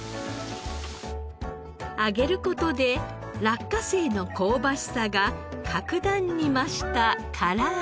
揚げる事で落花生の香ばしさが格段に増した唐揚げ。